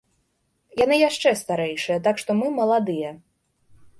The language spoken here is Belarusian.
Яны яшчэ старэйшыя, так што мы маладыя!